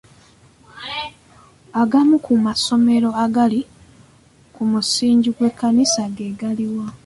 Agamu ku masomero agali ku musingi gw'ekkanisa ge gali wa?